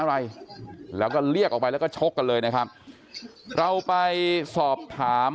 อะไรแล้วก็เรียกออกไปแล้วก็ชกกันเลยนะครับเราไปสอบถาม